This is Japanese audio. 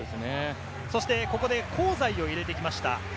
そして、ここは香西を入れてきました。